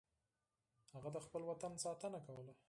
هغه د خپل وطن ساتنه کوله.